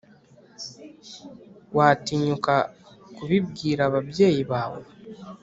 watinyuka kubibwira ababyeyi bawe